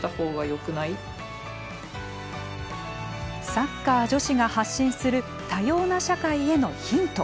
サッカー女子が発信する多様な社会へのヒント。